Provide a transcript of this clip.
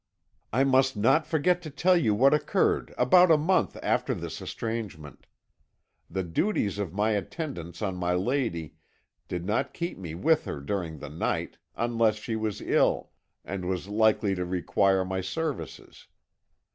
"I must not forget to tell you what occurred about a month after this estrangement. The duties of my attendance on my lady did not keep me with her during the night unless she was ill, and was likely to require my services.